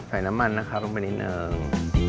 ใส่น้ำมันลงไปนิดนึง